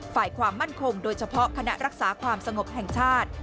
ฝ่ายความมั่นคงโดยเฉพาะคณะรักษาความสงบแห่งชาติ